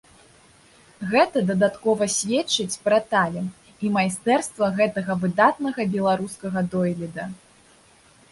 Гэта дадаткова сведчыць пра талент і майстэрства гэтага выдатнага беларускага дойліда.